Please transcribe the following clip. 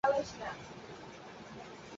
মনে মনে ভাবে-ও কি তোমাদের হবে?